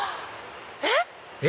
えっ？